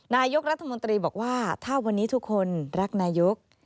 นายกรัฐมนตรีบอกว่าถ้าวันนี้ทุกคนรักนายก